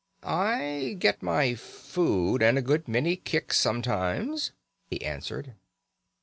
"'I get my food, and a good many kicks sometimes,' he answered.